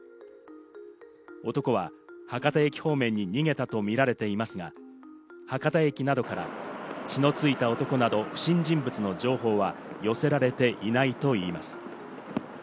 男は博多駅方面に逃げたとみられていますが、博多駅などから血のついた男など不審人物の情報は寄せられていないといいます。